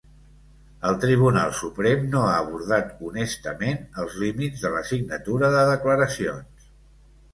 El Tribunal Suprem no ha abordat honestament els límits de la signatura de declaracions.